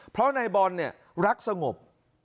เพราะในบอลรักสงบ